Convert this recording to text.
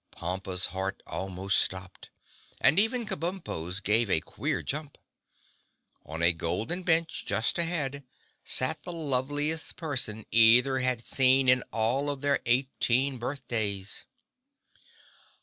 Pompa's heart almost stopped, and even Kabumpo's gave a queer jump. On a golden bench, just ahead, sat the loveliest person either had seen in all of their eighteenth birthdays.